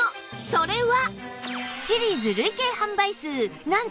それは